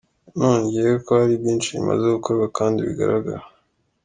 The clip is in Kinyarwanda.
Yanongeyeho ko hari byinshi bimaze gukorwa kandi bigaragara.